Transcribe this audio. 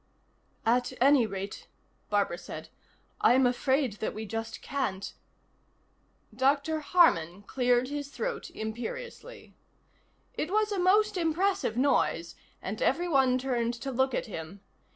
"At any rate," Barbara said, "I'm afraid that we just can't " Dr. Harman cleared his throat imperiously. It was a most impressive noise, and everyone turned to look at him.